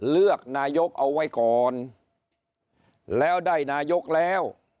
เลือกนายกเอาไว้ก่อนแล้วได้นายกแล้ว